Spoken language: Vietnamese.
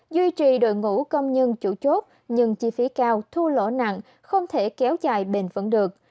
duy trì đội ngũ công nhân chủ chốt nhưng chi phí cao thua lỗ nặng không thể kéo dài bền vững được